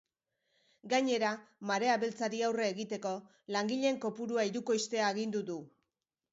Gainera, marea beltzari aurre egiteko langileen kopurua hirukoiztea agindu du.